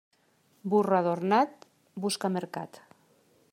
Burro adornat busca mercat.